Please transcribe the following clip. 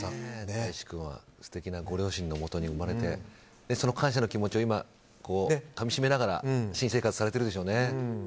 大維志君は素敵なご両親のもとに生まれてその感謝の気持ちを今かみしめながら新生活されてるでしょうね。